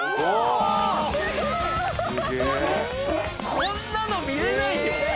こんなの見れないよ！